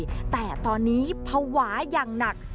มูลค่าเท่าไหร่แต่ตอนนี้ภาวะอย่างหนัก